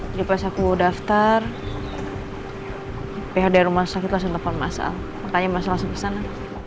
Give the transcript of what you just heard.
jadi pas aku daftar pihak dari rumah sakit langsung telepon mas al makanya mas al langsung kesana